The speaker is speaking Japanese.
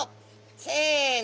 せの！